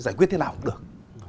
giải quyết thế nào cũng được